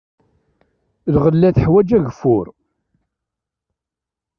Lɣella teḥwaj ageffur.